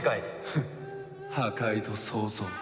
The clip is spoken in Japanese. フッ破壊と創造。